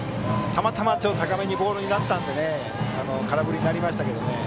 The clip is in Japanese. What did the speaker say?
たまたまちょっと高めにボールになったので空振りになりましたが。